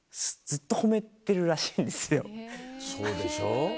そうでしょ。